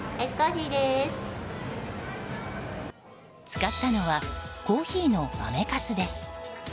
使ったのはコーヒーの豆かすです。